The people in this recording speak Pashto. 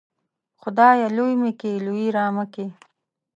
خدايه! لوى مې کې ، لويي رامه کې.